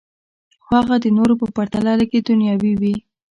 خو هغه د نورو په پرتله لږې دنیاوي وې